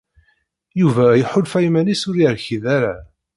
Yuba iḥulfa iman-is ur yerkid ara.